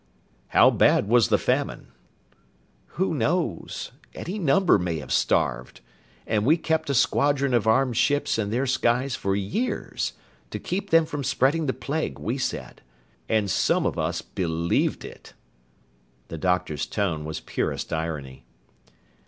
"How bad was the famine?" "Who knows? Any number may have starved! And we kept a squadron of armed ships in their skies for years to keep them from spreading the plague, we said. And some of us believed it!" The doctor's tone was purest irony.